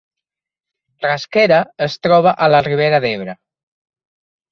Rasquera es troba a la Ribera d’Ebre